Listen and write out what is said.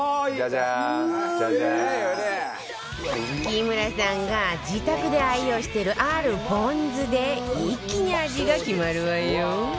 木村さんが自宅で愛用してるあるポン酢で一気に味が決まるわよ